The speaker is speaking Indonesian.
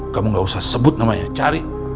kamu gak usah sebut namanya cari